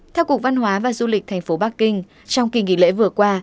theo cục văn hóa và du lịch thành phố bắc kinh trong kỳ nghỉ lễ vừa qua